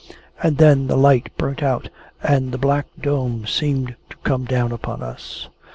And then the light burnt out, and the black dome seemed to come down upon us.